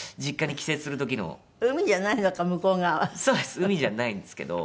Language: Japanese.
海じゃないんですけど。